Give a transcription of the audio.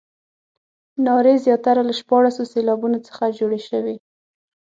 نارې زیاتره له شپاړسو سېلابونو څخه جوړې شوې.